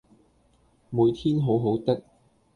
每天好好的